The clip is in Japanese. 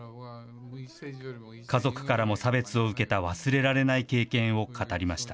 家族からも差別を受けた忘れられない経験を語りました。